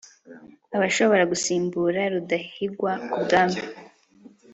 abashobora gusimbura rudahigwa ku bwami